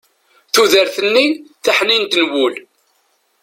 tudert-nni taḥnint n wul